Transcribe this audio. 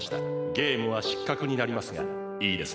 ゲームはしっかくになりますがいいですね？